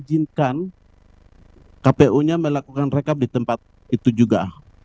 izinkan kpu nya melakukan rekap di tempat itu juga